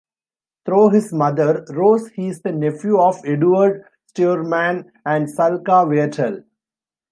Through his mother, Rose, he is the nephew of Eduard Steuermann and Salka Viertel.